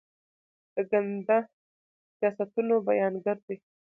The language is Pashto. د ګنده سیاستونو بیانګر دي.